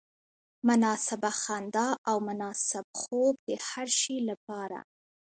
مناسبه خندا او مناسب خوب د هر شي لپاره.